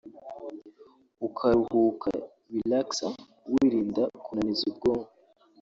ukaruhuka (relaxer) wirinda kunaniza ubwonko